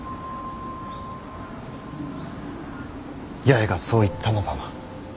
八重がそう言ったのだな。